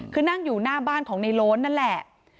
คือนั่งอยู่หน้าบ้านของในโล้นนั่นแหละ